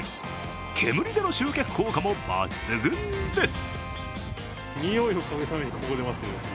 煙での集客効果も抜群です。